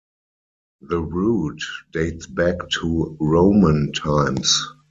The route dates back to Roman times.